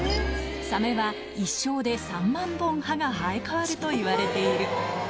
サメは一生で３万本、歯が生え変わるといわれている。